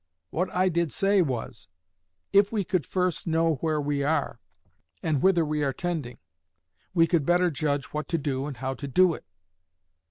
What I did say was, 'If we could first know where we are, and whither we are tending, we could better judge what to do and how to do it.